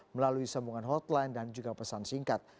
melalui sambungan hotline dan juga pesan singkat